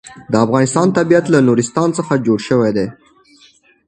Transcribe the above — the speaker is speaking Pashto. د افغانستان طبیعت له نورستان څخه جوړ شوی دی.